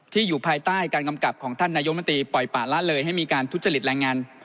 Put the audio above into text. อยู่ภายใต้การกำกับของท่านนายกมนตรีปล่อยป่าละเลยให้มีการทุจริตแรงงาน